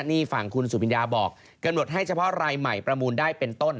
นี่ฝั่งคุณสุบินยาบอกกำหนดให้เฉพาะรายใหม่ประมูลได้เป็นต้น